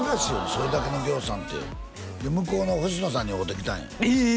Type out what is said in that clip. それだけのぎょうさんってで向こうの星野さんに会うてきたんやえっ！？